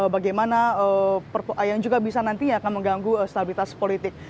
bagaimana yang juga bisa nantinya akan mengganggu stabilitas politik